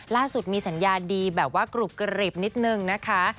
ล่าสุดมีสัญญาดีแบบว่ากรุบกรีบนิดนึงนะคะ